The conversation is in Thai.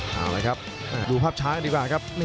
เอาละครับดูภาพช้างดีกว่าครับ